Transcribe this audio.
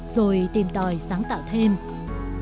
rồi uốn gỗ đóng tàu đều có một bí quyết riêng để uốn gỗ đóng tàu